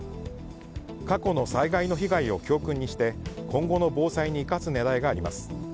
過去の災害の被害を教訓にして今後の防災に生かす狙いがあります。